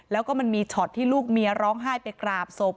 แล้วก็มันมีช็อตที่ลูกเมียร้องไห้ไปกราบศพ